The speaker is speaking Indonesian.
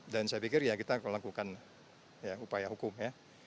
dan saya pikir ya kita akan melakukan upaya hukum ya